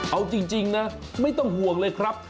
เอาจริงนะไม่ต้องห่วงเลยครับ